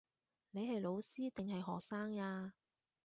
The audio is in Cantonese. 你係老師定係學生呀